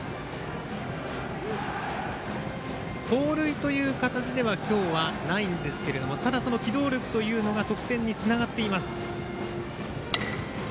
盗塁という形では今日はないんですけれどもただ、その機動力というのが得点につながっています。